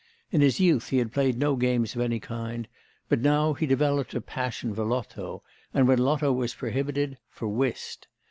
In his youth he had played no games of any kind, but now he developed a passion for loto, and, when loto was prohibited, for whist.